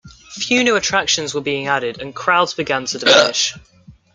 Few new attractions were being added, and crowds began to diminish.